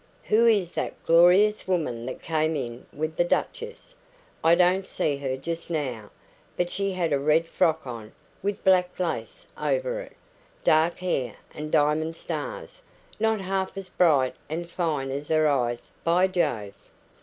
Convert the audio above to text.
"Who is that glorious woman that came in with the duchess? I don't see her just now, but she had a red frock on, with black lace over it dark hair and diamond stars not half as bright and fine as her eyes, by Jove!"